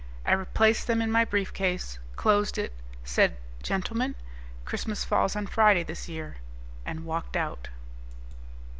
I replaced them in my briefcase, closed it, said, "Gentlemen, Christmas falls on Friday this year," and walked out.